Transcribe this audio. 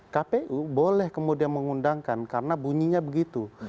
kpu boleh kemudian mengundangkan karena bunyinya begitu